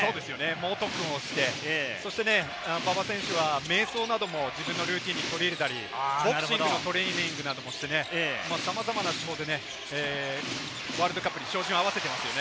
猛特訓をして馬場選手は瞑想なども自分のルーティンに取り入れたり、ボクシングのトレーニングなどもして、さまざまな手法でワールドカップに照準を合わせていますよね。